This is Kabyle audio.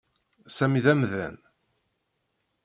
Sami d amdan.